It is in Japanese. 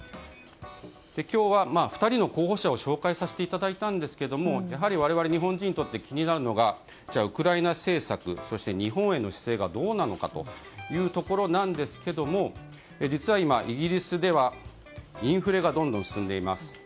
今日は２人の候補者を紹介させていただきましたがやはり我々日本人にとって気になるのがじゃあ、ウクライナ政策そして日本への姿勢がどうなのかというところですが実は今イギリスではインフレがどんどん進んでいます。